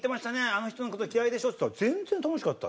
あの人の事嫌いでしょ？って言ったら全然楽しかった。